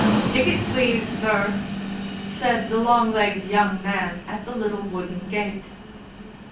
"Ticket, please, sir!" said the long legged young man at the little wooden gate.